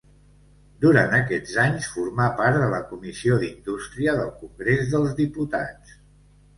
Durant aquests anys formà part de la Comissió d'Indústria del Congrés dels Diputats.